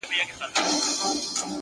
د سترگو هره ائينه کي مي جلا ياري ده،